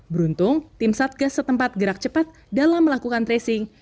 beruntung tim satgas setempat gerak cepat dalam melakukan tracing